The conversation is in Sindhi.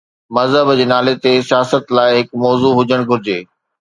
مذهب جي نالي تي سياست لاءِ هڪ موضوع هجڻ گهرجي.